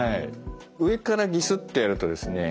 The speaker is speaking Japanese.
上からギスッとやるとですね